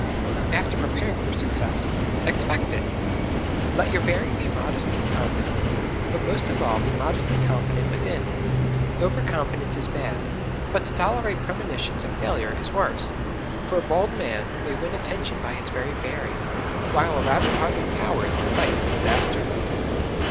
After Preparing for Success, Expect It Let your bearing be modestly confident, but most of all be modestly confident within. Over confidence is bad, but to tolerate premonitions of failure is worse, for a bold man may win attention by his very bearing, while a rabbit hearted coward invites disaster.